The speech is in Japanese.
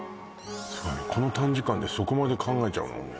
すごいこの短時間でそこまで考えちゃうの？